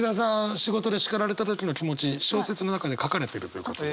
仕事で叱られた時の気持ち小説の中で書かれてるということで。